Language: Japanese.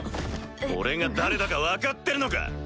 俺が誰だか分かってるのか？